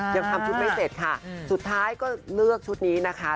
ยังทำชุดไม่เสร็จค่ะสุดท้ายก็เลือกชุดนี้นะคะ